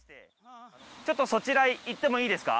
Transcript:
ちょっとそちら行ってもいいですか？